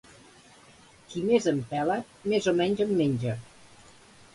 Qui més en pela, més o menys en menja.